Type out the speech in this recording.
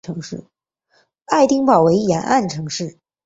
爱丁堡为沿岸城市。